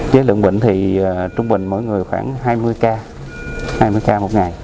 với lượng bệnh thì trung bình mỗi người khoảng hai mươi k hai mươi k một ngày